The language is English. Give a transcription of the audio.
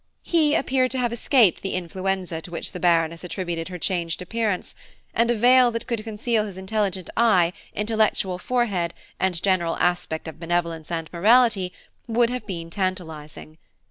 He appeared to have escaped the influenza to which the Baroness attributed her changed appearance, and a veil that should conceal his intelligent eye, intellectual forehead, and general aspect of benevolence and morality would have been tantalising.